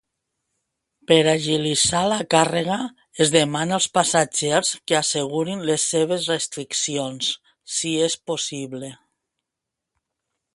Per a agilitzar la càrrega, es demana als passatgers que assegurin les seves restriccions, si és possible.